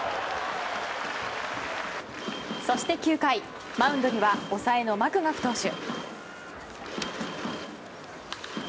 そして９回、マウンドには抑えのマクガフ投手。